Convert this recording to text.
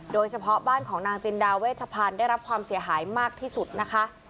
โดยเฉพาะบ้านของนางจินดาเวชพันธ์ได้รับความเสียหายมากที่สุดนะคะ